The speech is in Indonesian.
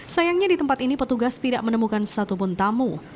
sayangnya di tempat ini petugas tidak menemukan satupun tamu